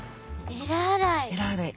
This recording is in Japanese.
えら洗い。